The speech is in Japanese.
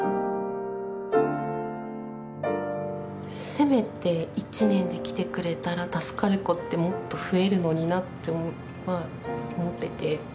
せめて１年できてくれたら助かる子ってもっと増えるのになって思っていて。